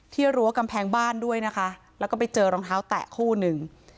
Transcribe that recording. รั้วกำแพงบ้านด้วยนะคะแล้วก็ไปเจอรองเท้าแตะคู่หนึ่ง